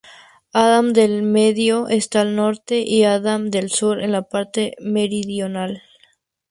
Andaman del Medio está al norte y Andaman del Sur en la parte meridional.